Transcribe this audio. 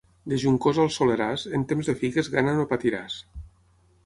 De Juncosa al Soleràs, en temps de figues gana no patiràs.